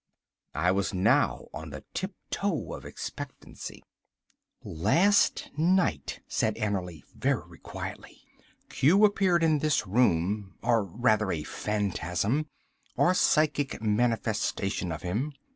I was now on the tiptoe of expectancy. "Last night," said Annerly very quietly, "Q appeared in this room, or rather, a phantasm or psychic manifestation of him.